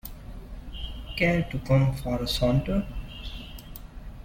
Care to come for a saunter?